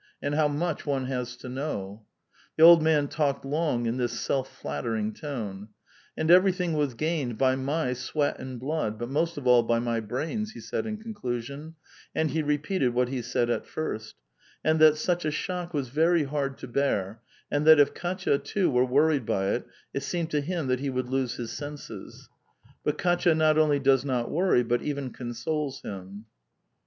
•and how much one has to know !" The old man talked long in this self flattering tone. '* And everything was gained by my sweat and blood, but most of all by my brains," he said in conclusion, and he repeated what he said at first : that such a shock was very hard to bear, and that if Kdtya too were worried by it, it seemed to him that he would lose his senses ; but Kdtya not onl}* does not worry, but even consoles him.